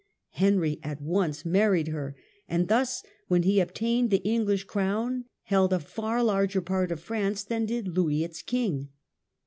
Henry at once married her, and thus, when he obtained the English crown, held a far larger part of France than did Louis its king.